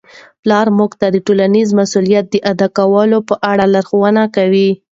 پلار موږ ته د ټولنیز مسؤلیت د ادا کولو په اړه لارښوونه کوي.